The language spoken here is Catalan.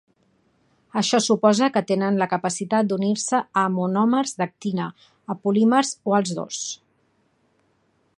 Això suposa que tenen la capacitat d'unir-se a monòmers d'actina, a polímers o als dos.